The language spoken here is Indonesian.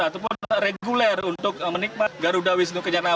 ataupun reguler untuk menikmat garuda wisnu kenyataan